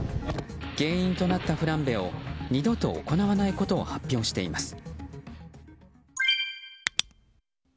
原因となったフランベを二度と行わないことを発表しています。